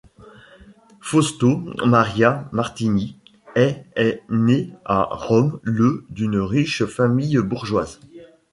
Fausto Maria Martini est est né à Rome le d'une riche famille bourgeoise.